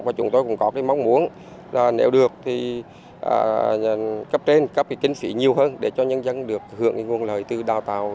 và chúng tôi cũng có cái mong muốn là nếu được thì cấp trên cấp cái kinh phí nhiều hơn để cho nhân dân được hưởng cái nguồn lợi từ đào tạo